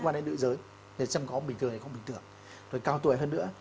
cao tuổi hơn nữa